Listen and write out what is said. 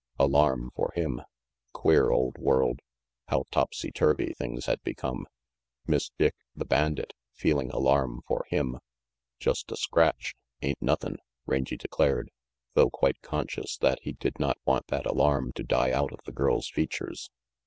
Alarm, for him. Queer old world. How topsy turvy things had become. Miss Dick, the bandit, feeling alarm for him! "Just a scratch. Ain't nothin'," Rangy declared, though quite conscious that he did not want that alarm to die out of the girl's features.